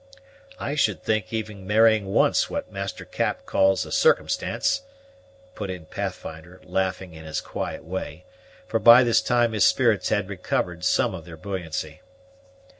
"I should think even marrying once what Master Cap calls a circumstance," put in Pathfinder, laughing in his quiet way, for by this time his spirits had recovered some of their buoyancy.